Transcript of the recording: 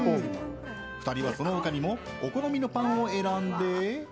２人はその他にもお好みのパンを選んで。